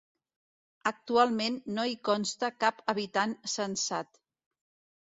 Actualment no hi consta cap habitant censat.